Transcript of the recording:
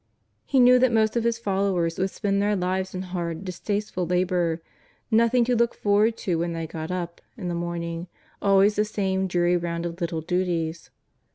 He knew that most of His followers would spend their lives in hard, distaste ful labour — nothing to look forward to wlien they get up in .ihe morning, always the same dreary round 'of lit tle duties.